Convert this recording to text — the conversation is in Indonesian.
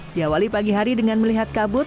diawali pagi hari dengan melihat kabut